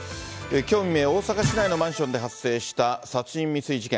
きょう未明、大阪市内のマンションで発生した殺人未遂事件。